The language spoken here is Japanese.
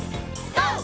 ＧＯ！